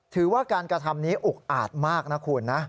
ถือว่าการกระทำนี้อุกอาจมากนะคุณนะ